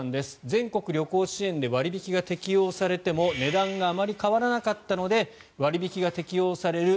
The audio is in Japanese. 全国旅行支援で割引が適用されても値段があまり変わらなかったので割引が適用される